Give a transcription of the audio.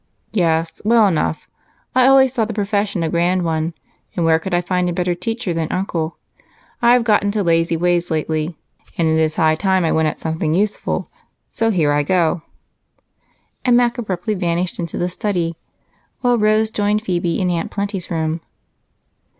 "Yes, well enough I always thought the profession a grand one, and where could I find a better teacher than Uncle? I've got into lazy ways lately, and it is high time I went at something useful, so here I go," and Mac abruptly vanished into the study while Rose joined Phebe in Aunt Plenty's room.